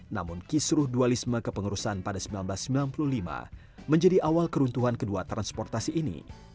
namun kisruh dualisme kepengurusan pada seribu sembilan ratus sembilan puluh lima menjadi awal keruntuhan kedua transportasi ini